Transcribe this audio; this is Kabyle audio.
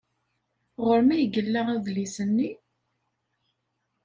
Ɣer-m ay yella udlis-nni?